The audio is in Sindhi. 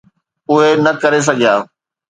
اهي نه ڪري سگهيا.